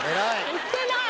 行ってない！